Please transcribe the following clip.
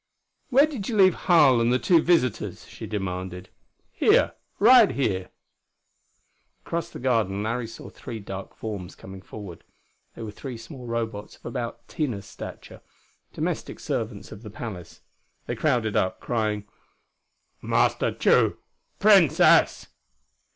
"Where did you leave Harl and the two visitors?" she demanded. "Here. Right here." Across the garden Larry saw three dark forms coming forward. They were three small Robots of about Tina's stature domestic servants of the palace. They crowded up, crying: "Master Tugh! Princess!"